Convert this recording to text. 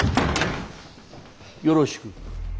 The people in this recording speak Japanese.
よろしく。